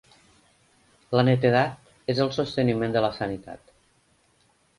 La netedat és el sosteniment de la sanitat.